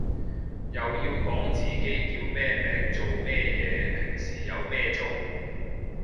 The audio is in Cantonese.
又要講自己叫咩名做咩嘢平時有咩做